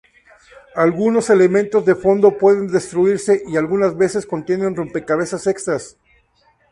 Algunos elementos de fondo pueden destruirse, y algunas veces contienen recompensas extras.